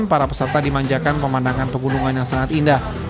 para peserta dimanjakan pemandangan pegunungan yang sangat indah